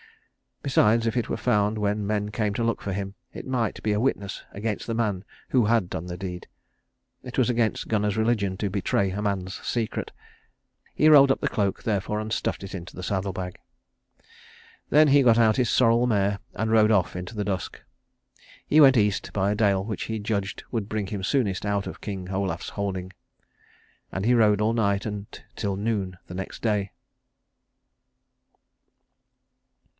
Besides, if it were found when men came to look for him it might be witness against the man who had done the deed. It was against Gunnar's religion to betray a man's secret. He rolled up the cloak therefore and stuffed it into the saddle bag. Then he got out his sorrel mare and rode off in the dusk. He went East by a dale which he judged would bring him soonest out of King Olaf's holding; and he rode all night and till noon the next day.